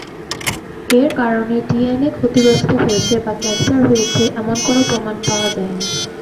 এর কারণে ডিএনএ ক্ষতিগ্রস্ত হয়েছে বা ক্যান্সার হয়েছে এমন কোন প্রমাণ পাওয়া যায়নি।